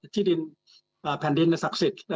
ที่ดินแผ่นดินเศรคศิษย์